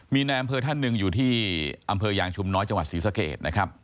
มีนายอำเภอท่านหนึ่งอยู่ที่อำเภอยางชุมน้อยจังหวัดศรีสะเกดนะครับ